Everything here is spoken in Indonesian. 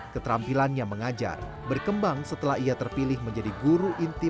keterampilannya mengajar berkembang setelah ia terpilih menjadi guru inti